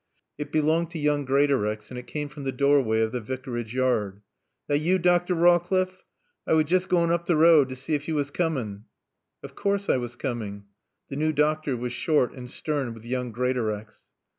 It belonged to young Greatorex and it came from the doorway of the Vicarage yard. "That yo, Dr. Rawcliffe? I wuss joost gawn oop t'road t' see ef yo wuss coomin'." "Of course I was coming." The new doctor was short and stern with young Greatorex.